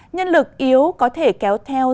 nhân lực yếu có thể kéo theo